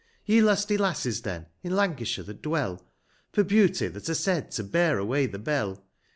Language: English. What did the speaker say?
Ye lusty lasses then, in Lancashire that dwell, c6 For beauty that are said to bear away tin; bell.